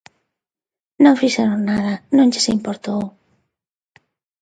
Non fixeron nada, non lles importou.